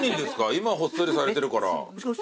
今ほっそりされてるから。